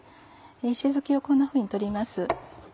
石づきをこんなふうに取ります。